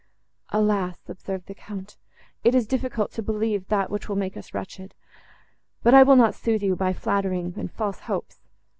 "Alas!" observed the Count, "it is difficult to believe that, which will make us wretched. But I will not sooth you by flattering and false hopes.